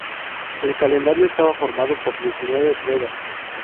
El calendario estaba formado por diecinueve pruebas.